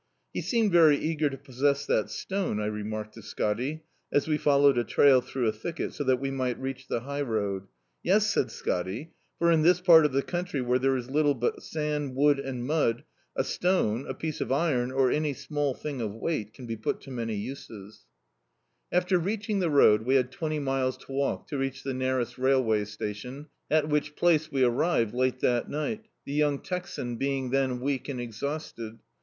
"He seemed very eager to possess that stone," I remarked to Scotty, as we followed a trail through a thicket, so that we might reach the high road. "Yes," said Scotty, "for in this part of the country, where there is little but sand, wood and mud, a stone, a piece of iron, or any small thing of wei^t, can be put to many uses." [13+] D,i.,.db, Google The House Boat After Kaching the road we had twenty miles to walk to reach the nearest railway station, at which place we arrived late that night, the young Texan being then weak and exhausted.